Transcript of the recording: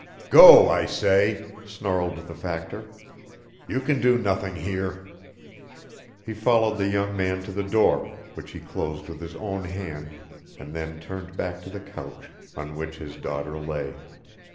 "Go, I say!" snarled the Factor. "You can do nothing here." He followed the young man to the door, which he closed with his own hand, and then turned back to the couch on which his daughter lay.